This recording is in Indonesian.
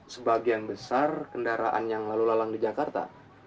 sebagian besar kendaraan yang lalu lalang di jakarta